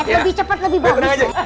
lebih cepet lebih bagus